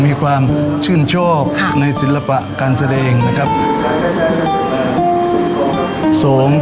๑มีความชื่นชอบในศิลปะการแสดง